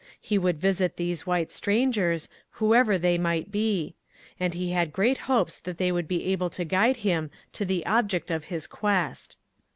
He would visit these white strangers, whoever they might be; and he had great hopes that they would be able to guide him to the object of his quest.